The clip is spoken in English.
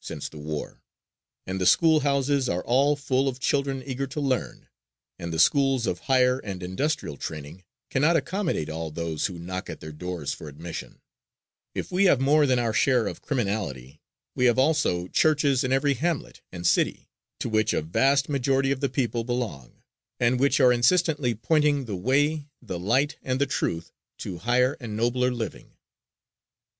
since the war, and the school houses are all full of children eager to learn, and the schools of higher and industrial training cannot accommodate all those who knock at their doors for admission; if we have more than our share of criminality, we have also churches in every hamlet and city, to which a vast majority of the people belong, and which are insistently pointing "the way, the light and the truth" to higher and nobler living.